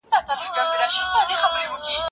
ایا مشاور او ټیوټر سره یو ډول دي؟